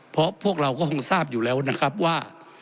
เพราะพวกเราก็คงทราบอยู่แล้วนะครับว่า